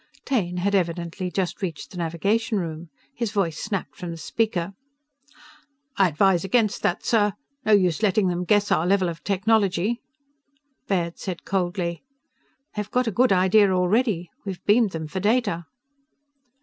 Taine had evidently just reached the navigation room. His voice snapped from the speaker: "I advise against that, sir! No use letting them guess our level of technology!" Baird said coldly: "They've a good idea already. We beamed them for data."